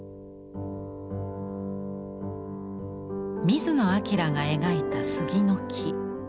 水野暁が描いた杉の木。